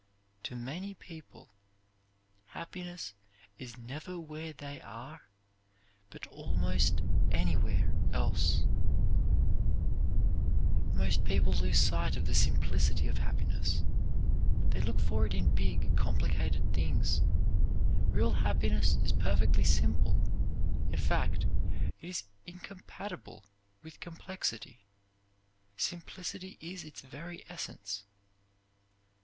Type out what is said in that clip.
To many people, happiness is never where they are, but almost anywhere else. Most people lose sight of the simplicity of happiness. They look for it in big, complicated things. Real happiness is perfectly simple. In fact, it is incompatible with complexity. Simplicity is its very essence.